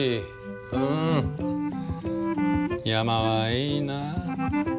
うん山はいいな。